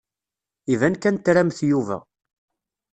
Iban kan tramt Yuba.